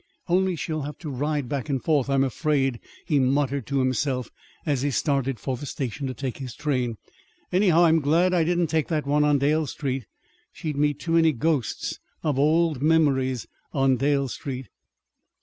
"Only she'll have to ride back and forth, I'm afraid," he muttered to himself, as he started for the station to take his train. "Anyhow, I'm glad I didn't take that one on Dale Street. She'd meet too many ghosts of old memories on Dale Street."